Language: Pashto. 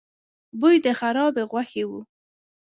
بوی د خرابې غوښې و.